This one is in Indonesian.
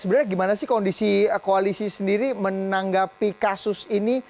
sebenarnya gimana sih kondisi koalisi sendiri menanggapi kasus ini